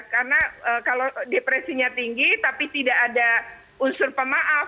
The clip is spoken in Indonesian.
karena kalau depresinya tinggi tapi tidak ada unsur pemaaf